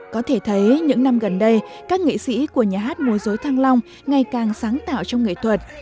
có thể thấy những năm gần đây các nghệ sĩ của nhà hát múa dối thăng long ngày càng sáng tạo trong nghệ thuật